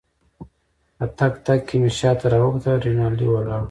په تګ تګ کې مې شاته راوکتل، رینالډي ولاړ وو.